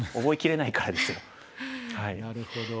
なるほど。